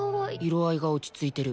色合いが落ち着いてる。